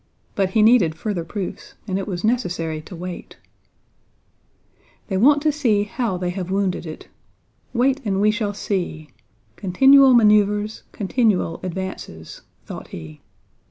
But he needed further proofs and it was necessary to wait. "They want to run to see how they have wounded it. Wait and we shall see! Continual maneuvers, continual advances!" thought he.